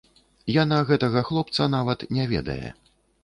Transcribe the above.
Яна гэтага хлопца нават не ведае.